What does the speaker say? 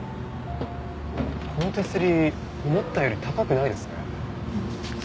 この手すり思ったより高くないですね。